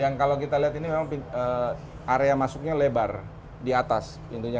yang kalau kita lihat ini memang area masuknya lebar di atas pintunya